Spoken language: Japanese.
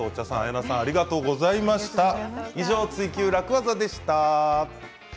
「ツイＱ楽ワザ」でした。